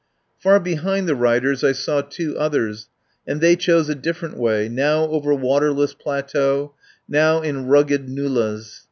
Far behind the riders I saw two others, and they chose a different way, now over water less plateaux, now in rugged nullahs.